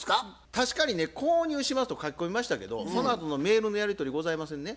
確かにね購入しますと書き込みましたけどそのあとのメールのやり取りございませんね。